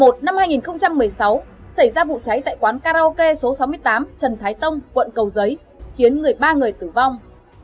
tháng một mươi một năm hai nghìn một mươi sáu xảy ra vụ cháy tại quán karaoke số sáu mươi tám trần thái tông quận cầu giấy khiến ba người tử vong